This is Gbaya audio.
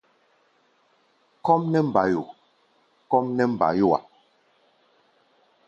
Kɔ́ʼm nɛ́ mbayo! kɔ́ʼm nɛ́ mbayó-a.